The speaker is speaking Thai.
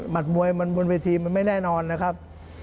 มวยมันบนเวทีมันไม่แน่นอนนะครับ